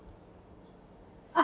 あ！